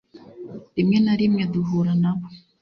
rimwe na rimwe duhura nabo